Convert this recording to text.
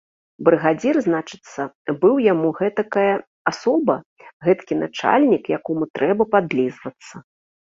Брыгадзір, значыцца, быў яму гэткая асоба, гэткі начальнік, якому трэба падлізвацца.